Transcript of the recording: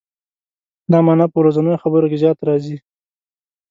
دا معنا په ورځنیو خبرو کې زیات راځي.